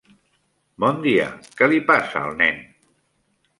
Bon dia, què li passa al nen?